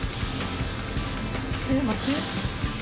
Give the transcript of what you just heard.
えっ待って。